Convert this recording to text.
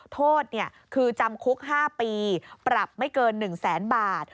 โทษคือจำคุก๕ปีปรับไม่เกิน๑แสนบาท